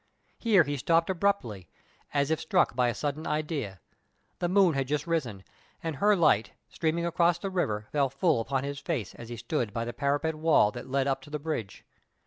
Here he stopped abruptly, as if struck by a sudden idea. The moon had just risen, and her light, streaming across the river, fell full upon his face as he stood by the parapet wall that led up to the bridge.